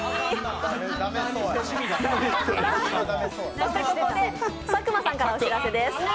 そしてここで佐久間さんからお知らせです。